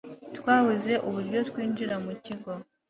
twabuze uburyo twinjira mukigo